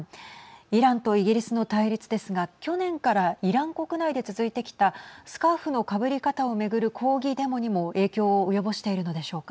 イランとイギリスの対立ですが去年からイラン国内で続いてきたスカーフのかぶり方を巡る抗議デモにも影響を及ぼしているのでしょうか。